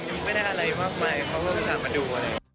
ยังไม่ได้อะไรมากมายเขาก็สามารถดู